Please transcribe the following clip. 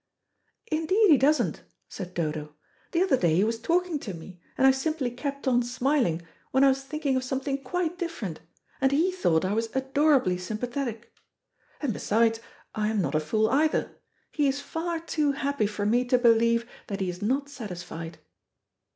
"Indeed he doesn't," said Dodo. "The other day he was talking to me, and I simply kept on smiling when I was thinking of something quite different, and he thought I was adorably sympathetic. And, besides, I am not a fool either. He is far too happy for me to believe that he is not satisfied."